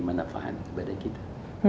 manfaat kepada kita